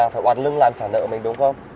phải hoạt lưng làm trả nợ mình đúng không